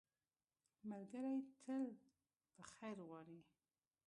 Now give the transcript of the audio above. ملګری تل په خیر غواړي